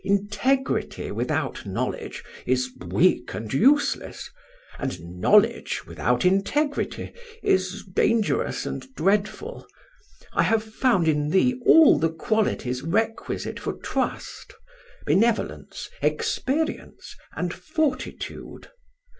Integrity without knowledge is weak and useless, and knowledge without integrity is dangerous and dreadful. I have found in thee all the qualities requisite for trust—benevolence, experience, and fortitude.